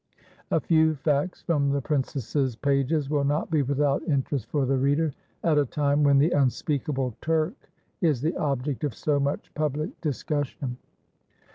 A few facts from the princess's pages will not be without interest for the reader, at a time when "the unspeakable Turk" is the object of so much public discussion.